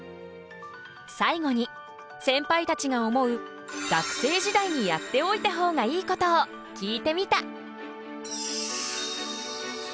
最後にセンパイたちが思う学生時代にやっておいた方がいいことを聞いてみた。